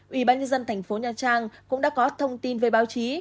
ủy ban nhân dân thành phố nha trang cũng đã có thông tin về báo chí